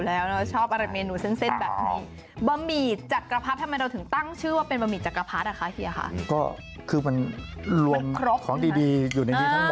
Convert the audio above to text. แล้วก็มีผักด้วยนะคะเป็นผักกวางตุ้ง